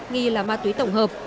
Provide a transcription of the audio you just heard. nghi là ma túy tổng hợp